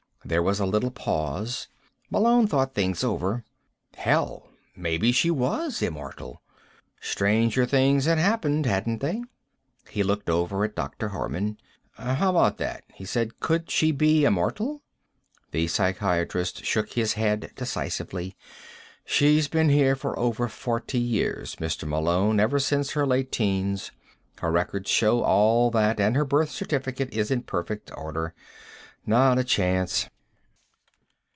There was a little pause. Malone thought things over. Hell, maybe she was immortal. Stranger things had happened, hadn't they? He looked over at Dr. Harman. "How about that?" he said. "Could she be immortal?" The psychiatrist shook his head decisively. "She's been here for over forty years, Mr. Malone, ever since her late teens. Her records show all that, and her birth certificate is in perfect order. Not a chance."